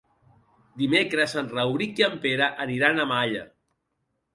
Dimecres en Rauric i en Pere aniran a Malla.